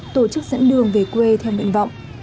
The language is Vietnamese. tổ chức dẫn đường về quê theo nguyện vọng